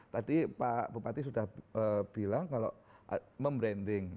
tadi pak bupati sudah bilang kalau membranding